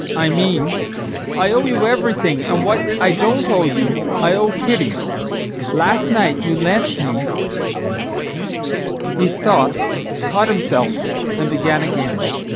—I mean, I owe you everything, and what I don't owe you, I owe Kitty. Last night you lent me—" He stopped, caught himself, and began again.